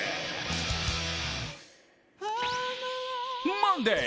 マンデー！